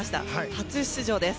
初出場です。